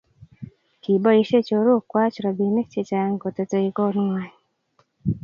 kiboisie chorokwach robinik chechang kotetei kootng'wany